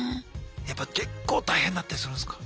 やっぱ結構大変だったりするんすか？